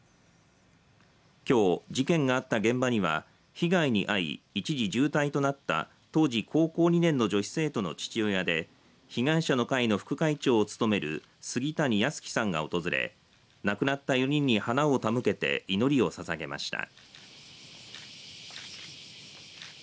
きょう事件があった現場には被害に遭い一時、重体となった当時高校２年の女子生徒の父親で被害者の会の副会長を務める杉谷安生さんが訪れ亡くなった４人に花を手向けて祈りをささげました。